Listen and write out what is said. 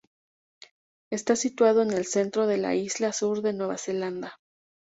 Está situado en el centro de la Isla Sur de Nueva Zelanda.